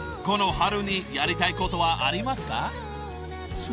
この春にやりたいことはありますか？］